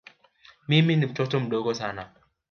Mimi ni mtoto mdogo sana.